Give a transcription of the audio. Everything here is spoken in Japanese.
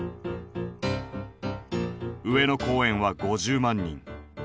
上野公園は５０万人。